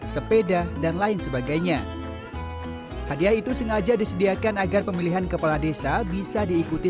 sepeda dan lain sebagainya hadiah itu sengaja disediakan agar pemilihan kepala desa bisa diikuti